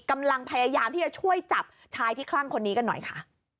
กำลังพยายามที่จะช่วยจับชายที่คลั่งคนนี้กันหน่อยค่ะ